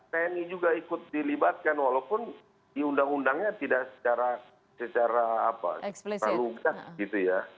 tni juga ikut dilibatkan walaupun di undang undangnya tidak secara lugas gitu ya